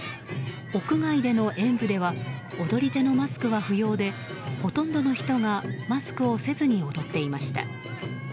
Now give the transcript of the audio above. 屋外での演舞では踊り手のマスクは不要でほとんどの人がマスクをせずに踊っていました。